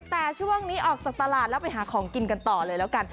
แต่ช่วงนี้ออกจากตลาดแล้วไปหาของกินกันต่อเลยแล้วกัน